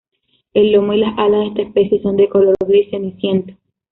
El lomo y las alas de esta especie son de color gris ceniciento.